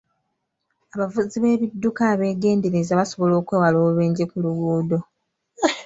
Abavuzi b'ebidduka abeegendereza basobola okwewala obubenje ku luguudo.